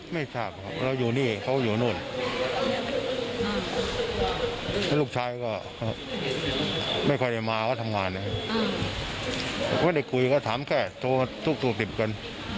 ที่ผ่านมาเขาคงมีพฤติกรรมเล่นอะไรไม่นะอยู่ที่นี่ไม่ได้เป็นอะไรเลย